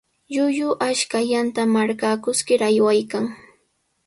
Llullu ashkallanta marqakuskir aywaykan.